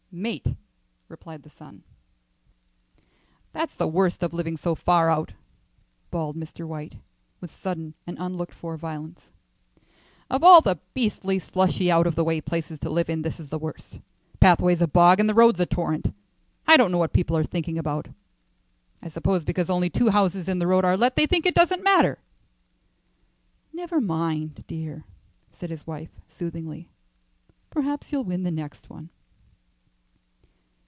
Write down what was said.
"Mate," replied the son. "That's the worst of living so far out," bawled Mr. White, with sudden and unlooked for violence; "of all the beastly, slushy, out of the way places to live in, this is the worst. Pathway's a bog, and the road's a torrent. I don't know what people are thinking about. I suppose because only two houses in the road are let, they think it doesn't matter." "Never mind, dear," said his wife, soothingly; "perhaps you'll win the next one."